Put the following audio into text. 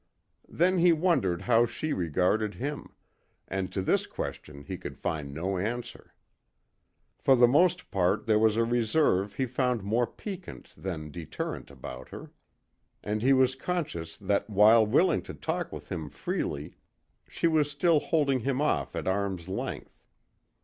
Then he wondered how she regarded him, and to this question he could find no answer. For the most part there was a reserve he found more piquant than deterrent about her, and he was conscious that while willing to talk with him freely she was still holding him off at arm's length.